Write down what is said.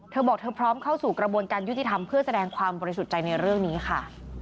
เธอบอกเธอพร้อมเข้าสู่กระบวนการยุติธรรมเพื่อแสดงความบริสุทธิ์ใจในเรื่องนี้ค่ะ